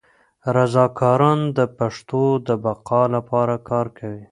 رضاکاران د پښتو د بقا لپاره کار کوي.